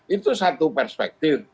itu satu perspektif